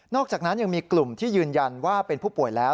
อกจากนั้นยังมีกลุ่มที่ยืนยันว่าเป็นผู้ป่วยแล้ว